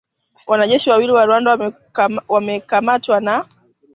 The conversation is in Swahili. wanajeshi wawili wa Rwanda wamekamatwa na